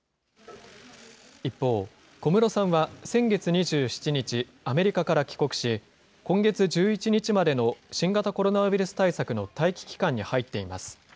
一方、小室さんは先月２７日、アメリカから帰国し、今月１１日までの新型コロナウイルス対策の待機期間に入っています。